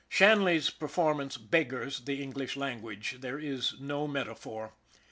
Shan ley's performance beggars the English language there is no metaphor.